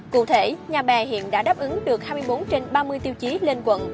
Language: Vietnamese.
cụ thể nhà bè hiện đã đáp ứng được hai mươi bốn trên ba mươi tiêu chí lên quận